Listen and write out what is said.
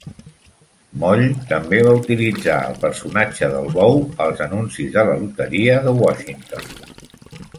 Moll també va utilitzar el personatge del bou als anuncis de la Loteria de Washington.